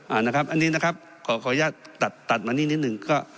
อันนี้นะครับขอขออนุญาตตัดมานิดนิดนึง